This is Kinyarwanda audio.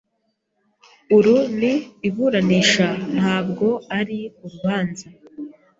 Uru ni iburanisha, ntabwo ari urubanza.